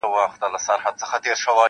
معاش مو یو برابره مو حِصه ده,